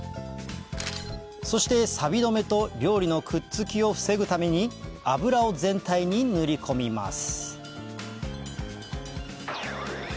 そしてさび止めと料理のくっつきを防ぐために油を全体に塗り込みます